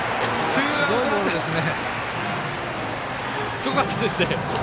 すごかったですね。